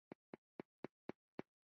مارکېټ د یو شمېر شرکتونو له لوري انحصار شي.